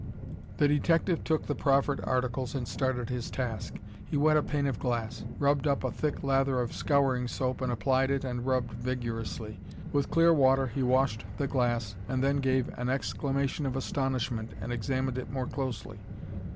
The detective took the proffered articles and started his task. He wet a pane of glass, rubbed up a thick lather of scouring soap and applied it and rubbed vigorously. With clear water he washed the glass and then gave an exclamation of astonishment and examined it more closely.